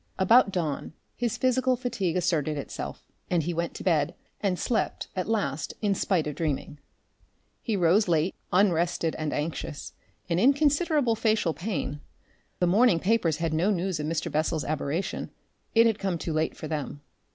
About dawn, his physical fatigue asserted itself, and he went to bed and slept at last in spite of dreaming. He rose late, unrested and anxious, and in considerable facial pain. The morning papers had no news of Mr. Bessel's aberration it had come too late for them.